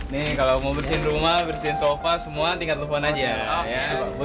nih kalau mau bersihin rumah bersihin sofa semua tingkat tukuan aja